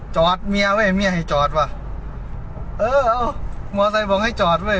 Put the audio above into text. จอดเมียไว้เมียให้จอดว่ะเออเอามอไซค์บอกให้จอดเว้